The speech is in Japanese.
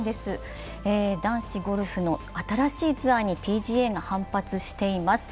男子ゴルフの新しいツアーにＰＧＡが反発しています。